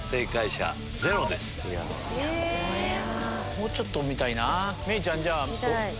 もうちょっと見たいな。